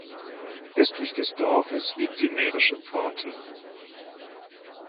Östlich des Dorfes liegt die Mährische Pforte.